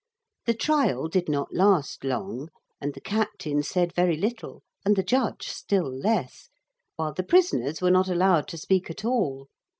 The trial did not last long, and the captain said very little, and the judge still less, while the prisoners were not allowed to speak at all.